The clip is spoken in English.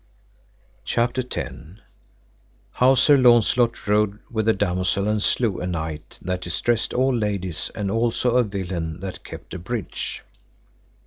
CHAPTER X. How Sir Launcelot rode with a damosel and slew a knight that distressed all ladies and also a villain that kept a bridge.